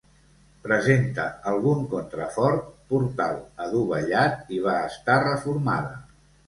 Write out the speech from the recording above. Presenta algun contrafort, portal adovellat i va estar reformada.